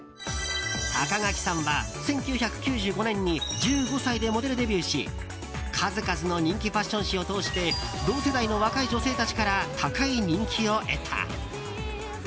高垣さんは１９９５年に１５歳でモデルデビューし数々の人気ファッション誌を通して同世代の若い女性たちから高い人気を得た。